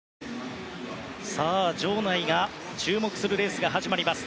場内が注目するレースが始まります。